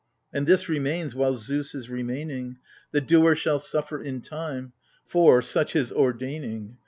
And this remains while Zeus is remaining, "The doer shall suffer in time" — for, such his ordaining.